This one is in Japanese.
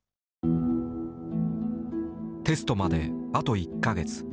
テストまであと１か月。